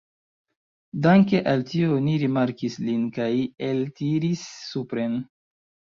Danke al tio oni rimarkis lin kaj eltiris supren.